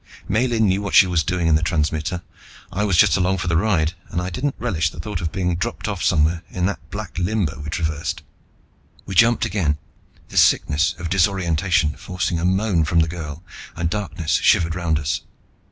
Miellyn knew what she was doing in the transmitter; I was just along for the ride and I didn't relish the thought of being dropped off somewhere in that black limbo we traversed. We jumped again, the sickness of disorientation forcing a moan from the girl, and darkness shivered round us.